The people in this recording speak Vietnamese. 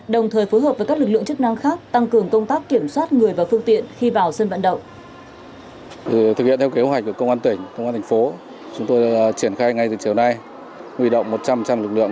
đồng thời phối hợp với các lực lượng chức năng khác tăng cường công tác kiểm soát người và phương tiện khi vào sân vận động